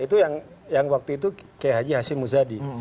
itu yang waktu itu khj hashim muzadi